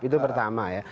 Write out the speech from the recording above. itu pertama ya